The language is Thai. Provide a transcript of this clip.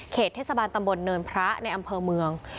เทศบาลตำบลเนินพระในอำเภอเมือง